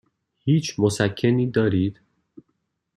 هیچ مسکنی دارید؟